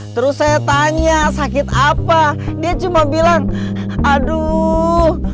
terus saya tanya sakit apa dia cuma bilang aduh